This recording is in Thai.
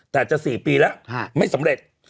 แต่จะ๔ปีแล้วไม่สำเร็จ